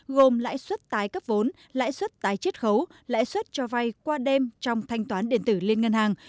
gồm lãi suất tái cấp vốn lãi suất tái triết khấu lãi suất cho vay qua đêm trong thanh toán điện tử lên ngân hàng